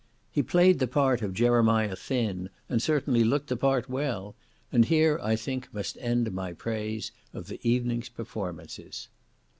He played the part of Jeremiah Thin, and certainly looked the part well; and here I think must end my praise of the evening's performances.